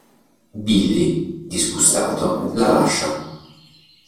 Billy, disgustato, la lascia.